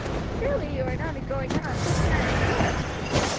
sureley you are not a going out on such a night as this!"